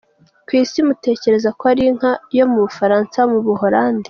Ku isi, mutekereza ko ari inka yo mu Bufaransa, mu Buholandi.